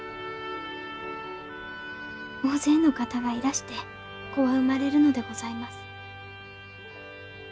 大勢の方がいらして子は生まれるのでございます。